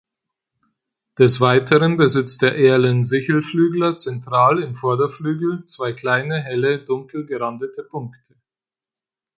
Des Weiteren besitzt der Erlen-Sichelflügler zentral im Vorderflügel zwei kleine, helle, dunkel gerandete Punkte.